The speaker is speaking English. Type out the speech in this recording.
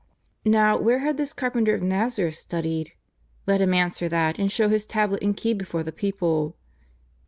Now, where had this carpenter of Nazareth studied ? Let Him answer that and show His tablet and key before the people.